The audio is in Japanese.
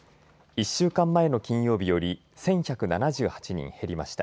１週間前の金曜日より１１７８人減りました。